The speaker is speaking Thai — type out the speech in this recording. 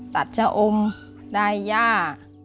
ตัดชะอมได้ย่า